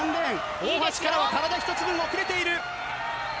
大橋からは体一つ分、遅れている。